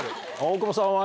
大久保さんは？